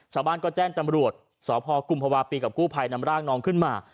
ชาวบ้านก็แจ้งตำรวจสพกุมภาวะปีกับกู้ภัยนำร่างน้องขึ้นมา